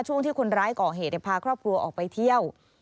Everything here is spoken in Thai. ช่วงที่คนร้ายก่อเหตุพาครอบครัวออกไปเที่ยว